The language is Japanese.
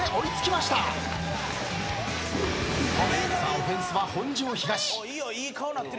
オフェンスは本庄東。